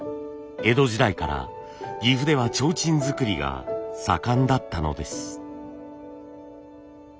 江戸時代から岐阜では提灯作りが盛んだったのです。